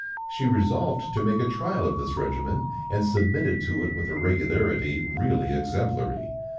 She resolved to make a trial of this regimen, and submitted to it with a regularity really exemplary.